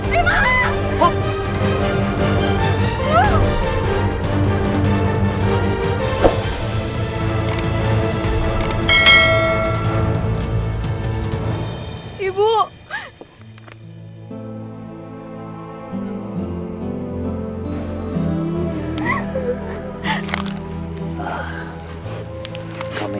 dima jangan dima